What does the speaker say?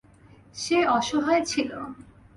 সে অসহায় ছিল।